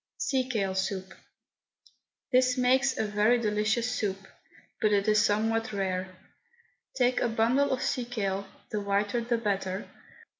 SEA KALE SOUP. This makes a very delicious soup, but it is somewhat rare. Take a bundle of sea kale, the whiter the better.